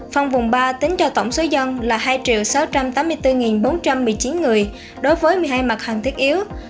phân vùng ba tính cho tổng số dân là hai sáu trăm tám mươi bốn bốn trăm một mươi chín người đối với một mươi hai mặt hàng thiết yếu